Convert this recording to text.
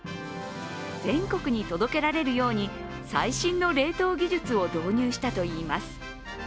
全国に届けられるように最新の冷凍技術を導入したといいます。